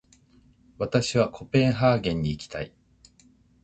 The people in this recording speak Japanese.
私はコペンハーゲンに行きたい。